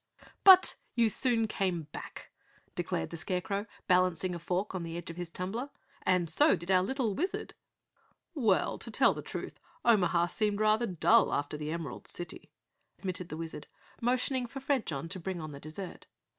"But you soon came back," declared the Scarecrow, balancing a fork on the edge of his tumbler. "And so did our little Wizard." "Well, to tell the truth, Omaha seemed rather dull after the Emerald City," admitted the Wizard, motioning for Fredjon to bring on the dessert.